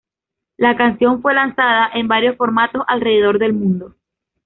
La canción fue lanzada en varios formatos alrededor del mundo.